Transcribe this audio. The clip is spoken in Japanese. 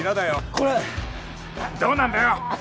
これどうなんだよ